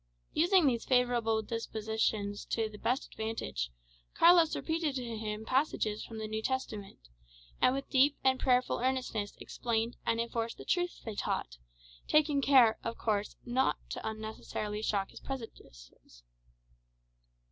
Using these favourable dispositions to the best advantage, Carlos repeated to him passages from the New Testament; and with deep and prayerful earnestness explained and enforced the truths they taught, taking care, of course, not unnecessarily to shock his prejudices.